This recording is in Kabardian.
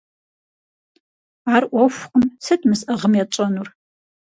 Ар Ӏуэхукъым, сыт мы сӀыгъым етщӀэнур?